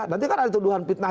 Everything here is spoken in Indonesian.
nanti kan ada tuduhan fitnah